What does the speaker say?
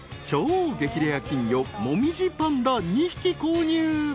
［超激レア金魚もみじパンダ２匹購入］